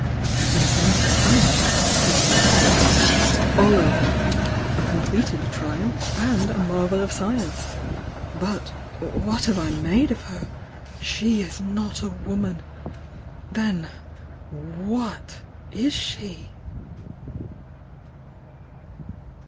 "And BO it is finished!" he said to himself. "All over! A completed triumph and marvel of science! But — ^what have I made of her? She is not a uom an! Then — what is she?"